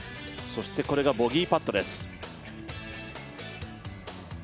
これがボギーパットです。